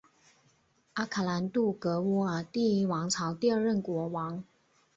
阿卡兰杜格乌尔第一王朝第二任国王。